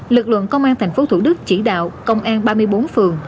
lực lượng công an thành phố thủ đức chỉ đạo công an ba mươi bốn phường